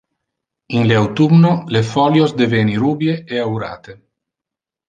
In le autumno, le folios deveni rubie e aurate.